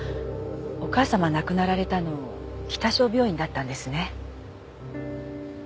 お母様亡くなられたの北昭病院だったんですね。